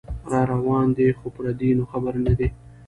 راروان دی خو پردې نو خبر نه دی